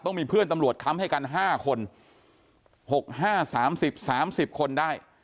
มีเพื่อนตำรวจค้ำให้กัน๕คน๖๕๓๐๓๐คนได้